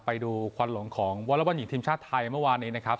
ไปดูควันหลงของวอลบอลหญิงทีมชาติไทยเมื่อวานนี้นะครับ